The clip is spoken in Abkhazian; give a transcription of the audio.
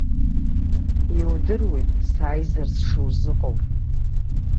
Иудыруеит, сааизар сшузыҟоу.